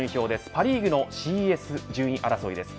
パ・リーグのＣＳ順位争いです。